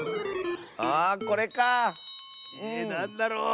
あこれかあ。えなんだろう。